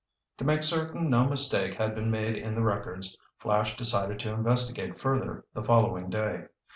To make certain no mistake had been made in the records, Flash decided to investigate further the following day.